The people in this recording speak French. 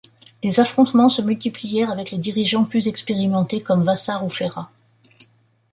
Les affrontements se multiplièrent avec les dirigeants plus expérimentés comme Vassart ou Ferrat.